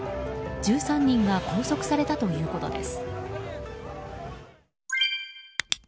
１３人が拘束されたということです。